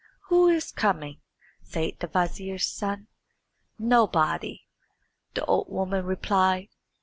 "Who is coming?" said the vizier's son. "Nobody," the old woman replied.